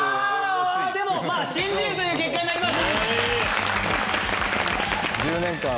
でもまあ信じるという結果になりました。